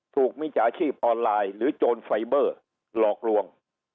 มิจฉาชีพออนไลน์หรือโจรไฟเบอร์หลอกลวง